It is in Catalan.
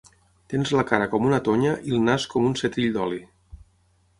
Tens la cara com una tonya i el nas com un setrill d’oli.